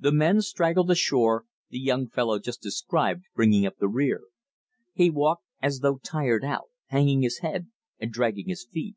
The men straggled to shore, the young fellow just described bringing up the rear. He walked as though tired out, hanging his head and dragging his feet.